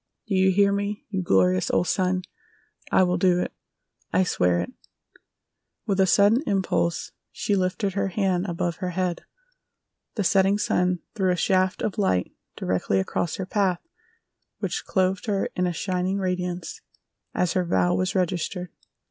Do you hear me, you glorious old sun? I will do it! I swear it!" With a sudden impulse she lifted her hand above her head. The setting sun threw a shaft of light directly across her path which clothed her in a shining radiance as her vow was registered.